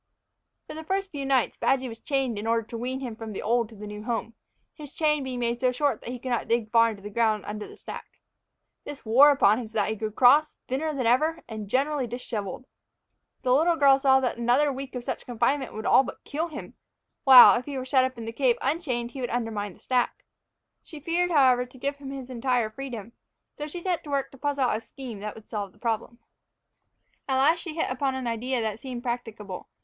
For the first few nights Badgy was chained in order to wean him from the old to the new home, his chain being made so short that he could not dig far into the ground under the stack. This wore upon him so that he grew cross, thinner than ever before, and generally disheveled. The little girl saw that another week of such confinement would all but kill him; while if he were shut up in the cave unchained he would undermine the stack. She feared, however, to give him his entire freedom; so she set to work to puzzle out a scheme that would solve the problem. At last she hit upon an idea that seemed practicable.